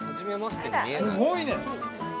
◆すごいね。